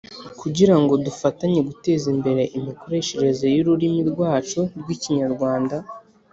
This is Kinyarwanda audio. kugirango dufatanye guteza imbere imikoreshereze y’ururimi rwacu rw’Ikinyarwanda